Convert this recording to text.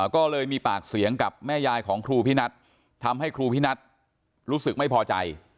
ก็เลยมีปากเสียงกับแม่ยายของครูพินัททำให้ครูพินัทรู้สึกไม่พอใจ